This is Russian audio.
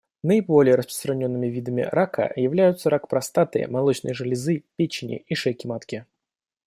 Наиболее распространенными видами рака являются рак простаты, молочной железы, печени и шейки матки.